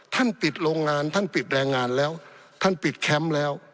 ปิดโรงงานท่านปิดแรงงานแล้วท่านปิดแคมป์แล้ว